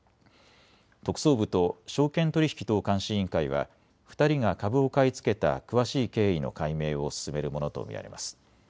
特捜部と証券取引等監視委員会は２人が株を買い付けた詳しい経緯の解明を進めるものと見られます。